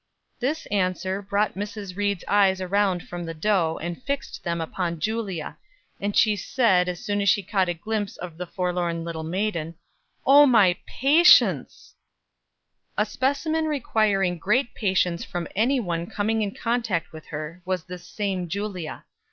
This answer brought Mrs. Ried's eyes around from the dough, and fixed them upon Julia; and she said, as soon as she caught a glimpse of the forlorn little maiden: "O, my patience!" A specimen requiring great patience from any one coming in contact with her, was this same Julia.